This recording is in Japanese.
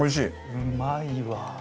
うまいわ。